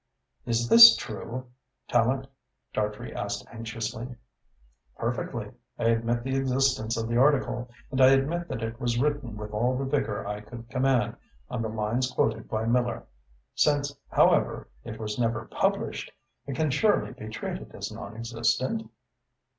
"Is this true, Tallente?" Dartrey asked anxiously. "Perfectly. I admit the existence of the article and I admit that it was written with all the vigour I could command, on the lines quoted by Miller. Since, however, it was never published, it can surely be treated as nonexistent?"